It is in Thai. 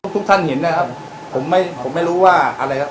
ทุกท่านเห็นนะครับผมไม่ผมไม่รู้ว่าอะไรครับ